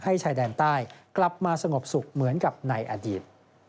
ชายแดนใต้กลับมาสงบสุขเหมือนกับในอดีต